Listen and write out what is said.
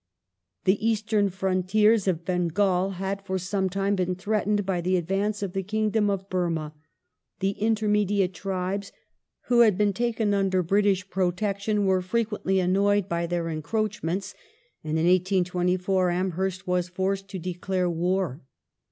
The Eastern frontiers of Bengal had for some time been threatened by the advance of the Kingdom of Burmah ; the intermediate tribes who had been taken under British protection were frequently annoyed by their encroachments, and in 1824 Amherst was forced to declare war.